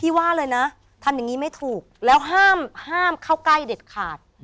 ว่าเลยนะทำอย่างนี้ไม่ถูกแล้วห้ามเข้าใกล้เด็ดขาด